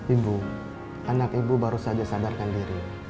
ibu anak ibu baru saja sadarkan diri